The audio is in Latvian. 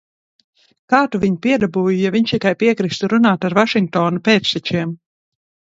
Kā tu viņu piedabūji, ja viņš tikai piekristu runāt ar Vašingtona pēctečiem?